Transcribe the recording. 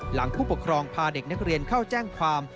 ผู้ปกครองพาเด็กนักเรียนเข้าแจ้งความ